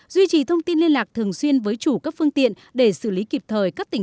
duy trì thông tin liên lạc thường xuyên với chủ các phương tiện để xử lý kịp thời các tình